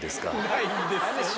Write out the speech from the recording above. ないんですよね。